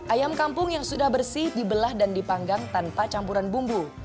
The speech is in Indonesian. ayam kampung yang sudah bersih dibelah dan dipanggang tanpa campuran bumbu